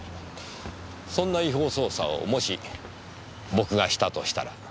そんな違法捜査をもし僕がしたとしたら。